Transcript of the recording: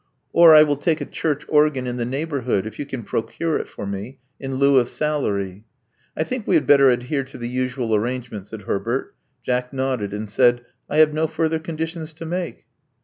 Or, I will take a church organ in the neighborhood, if you can procure it for me, in lieu of salary." *'I think we h^d better adhere to the usual arrange ment," said IMrbert. Jack nodded, and said, *'I have no further ^gJSitions to make."